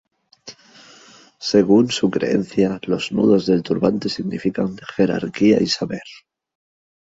Según su creencia, los nudos del turbante significan jerarquía y saber.